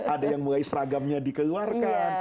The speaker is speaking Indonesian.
ada yang mulai seragamnya dikeluarkan